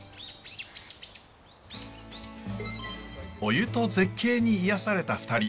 お湯と絶景に癒やされた２人。